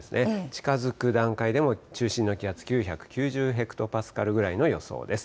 近づく段階でも中心の気圧９９０ヘクトパスカルぐらいの予想です。